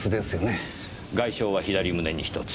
外傷は左胸に１つ。